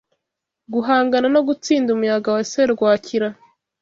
guhangana no gutsinda umuyaga wa serwakira